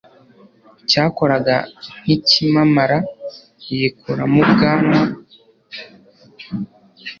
cyakoraga nk'ikimamara yikuramo ubwanwa